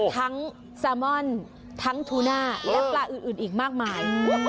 ซามอนทั้งทูน่าและปลาอื่นอีกมากมาย